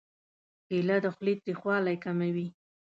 کېله د خولې تریخوالی کموي.